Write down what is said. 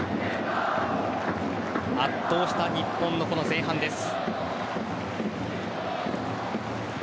圧倒した日本のこの前半です。